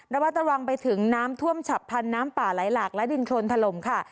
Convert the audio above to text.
วัดระวังไปถึงน้ำท่วมฉับพันธุ์น้ำป่าไหลหลากและดินโครนถล่มค่ะ